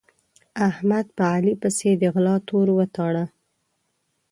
احمد په علي پسې د غلا تور وتاړه.